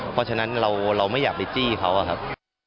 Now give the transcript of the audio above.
เพราะฉะนั้นเราไม่อยากไปจี้เขาอะครับ